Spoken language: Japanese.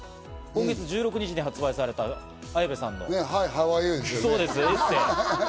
今月１６日に発売された綾部さんのエッセー。